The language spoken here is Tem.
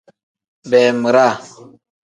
Beemiraa.